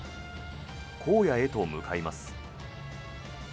荒野へと向かいます。